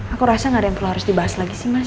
aku rasa gak ada yang perlu harus dibahas lagi sih mas